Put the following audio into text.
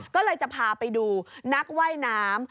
ก็เลยจะพาไปดูนักว่ายน้ำ